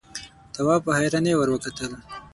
تواب په حيرانۍ ور وکتل.